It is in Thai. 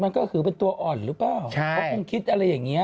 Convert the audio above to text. มันก็คือเป็นตัวอ่อนหรือเปล่าเค้าคงคิดอะไรแบบนี้หรอ